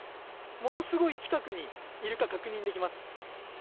ものすごい近くにイルカが確認できます。